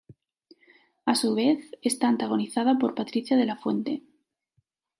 A su vez, está antagonizada por Patricia De La Fuente.